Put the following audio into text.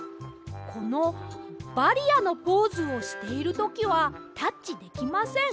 この「バリアのポーズ」をしているときはタッチできません。